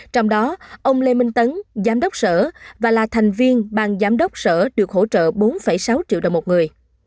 trong đó ông lê minh tấn giám đốc sở và là thành viên ban giám đốc sở được hỗ trợ bốn sáu triệu đồng một người